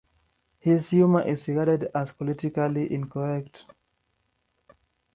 His humour is regarded as politically incorrect.